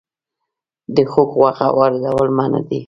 د خوګ غوښه واردول منع دي